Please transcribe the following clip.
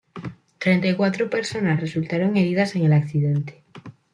Treinta y cuatro personas resultaron heridas en el accidente